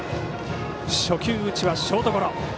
初球打ちはショートゴロ。